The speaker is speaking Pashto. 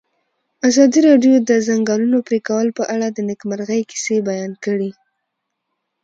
ازادي راډیو د د ځنګلونو پرېکول په اړه د نېکمرغۍ کیسې بیان کړې.